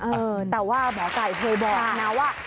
เออแต่ว่าหมอไก่เคยบอกนะว่า